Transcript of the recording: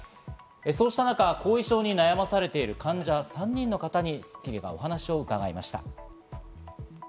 そうした中、後遺症に悩まされている患者３人の方に『スッキリ』がお話を伺いました。